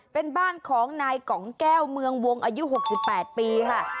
เป็นบ้านของนายกองแก้วเมืองวงอายุ๖๘ปีค่ะ